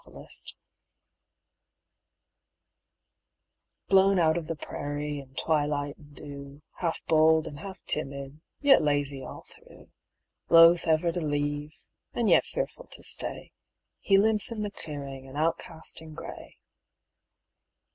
COYOTE Blown out of the prairie in twilight and dew, Half bold and half timid, yet lazy all through; Loath ever to leave, and yet fearful to stay, He limps in the clearing, an outcast in gray.